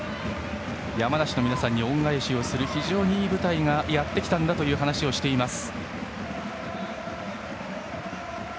山梨の皆さんに恩返しをする非常にいい舞台がやってきたと話しています。